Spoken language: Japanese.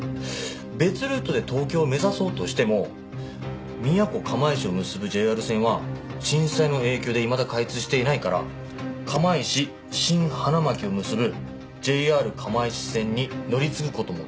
別ルートで東京を目指そうとしても宮古釜石を結ぶＪＲ線は震災の影響でいまだ開通していないから釜石新花巻を結ぶＪＲ釜石線に乗り継ぐ事も出来ない。